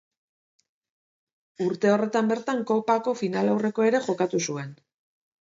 Urte horretan bertan Kopako finalaurrekoa ere jokatu zuen.